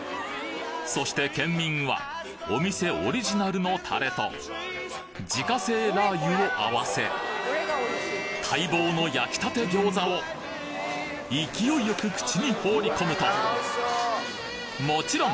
そして県民はお店オリジナルのタレと自家製ラー油を合わせ待望の焼きたて餃子を勢いよく口に放り込むともちろん！